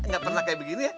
nggak pernah kayak begini ya